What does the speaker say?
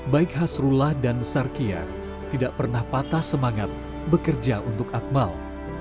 baik hasrullah dan sarkia tidak pernah patah semangat bekerja untuk akmal